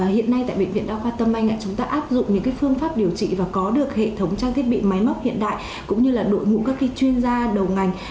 hiện nay tại bệnh viện đa khoa tâm anh chúng ta áp dụng những phương pháp điều trị và có được hệ thống trang thiết bị máy móc hiện đại cũng như là đội ngũ các chuyên gia đầu ngành